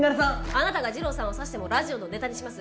あなたが治郎さんを刺してもラジオのネタにします。